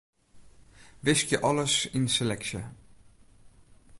Wiskje alles yn seleksje.